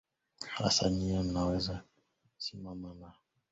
hasa nie naweza ni simama nizungumze nina sauti